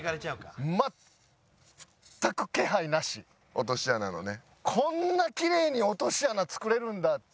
落とし穴のね。